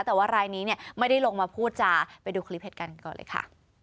แต่ว่ารายนี้เนี่ยไม่ได้ลงมาพูดจาไปดูคลิปเหตุการณ์ก่อนเลยค่ะ